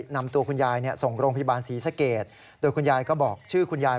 นำตัวคุณยายส่งโรงพยาบาลศรีสเกตโดยคุณยายก็บอกชื่อคุณยาย